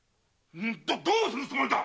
どうするつもりだ！